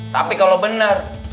tapi kalo bener